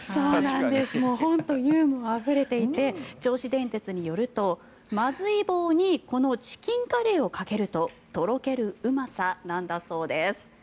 本当にユーモアあふれていて銚子電鉄によるとまずい棒にこのチキンカレーをかけるととろけるうまさなんだそうです。